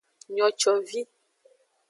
Nocovi.